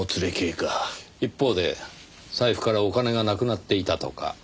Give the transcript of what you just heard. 一方で財布からお金がなくなっていたとか。